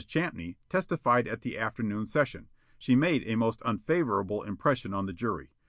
Champney testified at the afternoon session. She made a most unfavorable impression on the jury.